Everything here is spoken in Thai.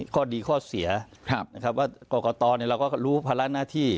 ข้อดีข้อเสียนะครับว่ากรกตเราก็รู้ภาระหน้าที่